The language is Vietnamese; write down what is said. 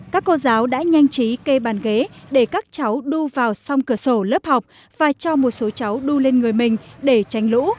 các cô giáo đã nhanh chí cây bàn ghế để các cháu đu vào xong cửa sổ lớp học và cho một số cháu đu lên người mình để tránh lũ